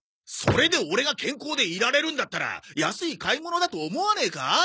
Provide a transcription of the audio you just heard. それでオレが健康でいられるんだったら安い買い物だと思わねえか？